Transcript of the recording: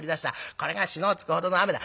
これがしのを突くほどの雨だ。